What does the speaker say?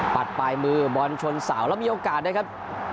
ปลายมือบอลชนเสาแล้วมีโอกาสนะครับ